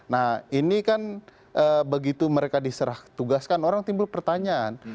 nah ini kan begitu mereka diserah tugaskan orang timbul pertanyaan